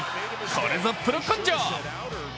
これぞプロ根性。